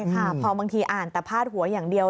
ใช่ค่ะพอบางทีอ่านแต่พาดหัวอย่างเดียว